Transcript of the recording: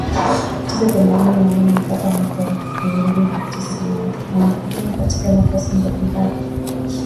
tisa themanini na nne mpaka mwaka elfu mbili na sita amehudumu katika nafasi mbalimbali